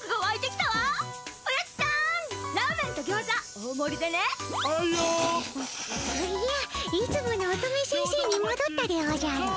おじゃいつもの乙女先生にもどったでおじゃる。